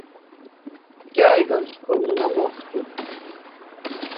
Gyari gamşkorinuna moxti.